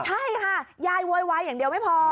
ใช่ค่ะยายโวยวายอย่างเดียวไม่พอ